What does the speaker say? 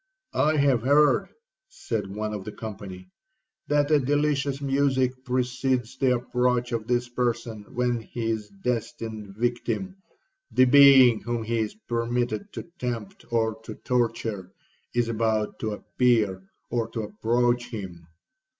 'I have heard,' said one of the company, 'that a delicious music precedes the approach of this person when his destined victim,—the being whom he is permitted to tempt or to torture,—is about to appear or to approach him.